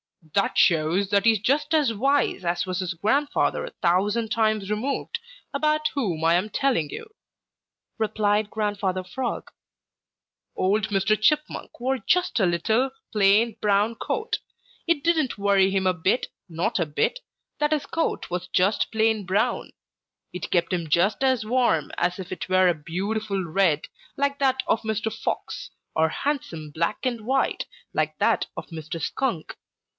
"That shows that he is just as wise as was his grandfather a thousand times removed, about whom I am telling you," replied Grandfather Frog. "Old Mr. Chipmunk wore just a little, plain brown coat. It didn't worry him a bit, not a bit, that his coat was just plain brown. It kept him just as warm as if it were a beautiful red, like that of Mr. Fox, or handsome black and white, like that of Mr. Skunk.